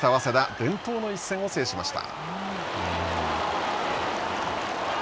伝統の一戦を制しました。